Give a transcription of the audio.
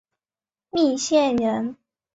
密县人。